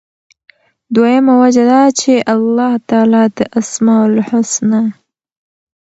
دویمه وجه دا چې الله تعالی د أسماء الحسنی،